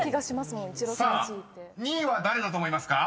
［さあ２位は誰だと思いますか？］